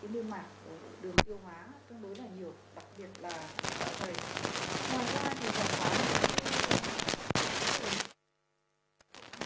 những cái niêu mạc đường tiêu hóa tương đối là nhiều đặc biệt là